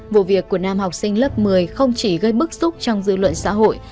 vụ việc của nam học sinh lớp một mươi không chỉ gây bức xúc trong dư luận xã hội